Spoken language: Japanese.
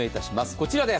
こちらです。